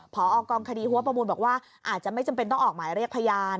พอกองคดีหัวประมูลบอกว่าอาจจะไม่จำเป็นต้องออกหมายเรียกพยาน